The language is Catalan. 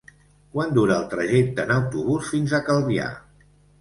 Quant dura el trajecte en autobús fins a Calvià?